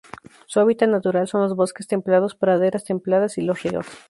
Su hábitat natural son los bosques templados, praderas templadas, y los ríos.